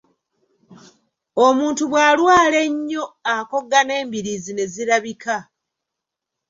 Omuntu bw'alwala ennyo akogga n'embiriizi ne zirabika.